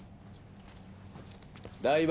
台場